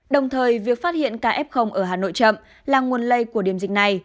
đồng thời việc phát hiện ca f ở hà nội chậm là nguồn lây của điểm dịch này